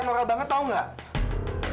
noral banget tahu nggak